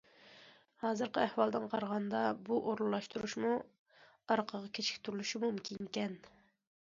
ھازىرقى ئەھۋالدىن قارىغاندا، بۇ ئورۇنلاشتۇرۇشمۇ ئارقىغا كېچىكتۈرۈلۈشى مۇمكىنكەن.